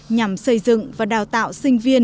nhằm xây dựng và đào tạo sinh viên